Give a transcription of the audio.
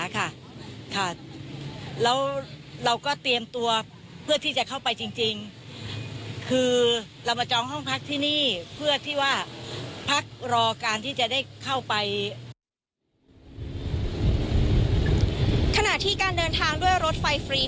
ขณะที่การเดินทางด้วยรถไฟฟรี